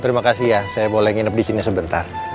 terima kasih ya saya boleh nginep di sini sebentar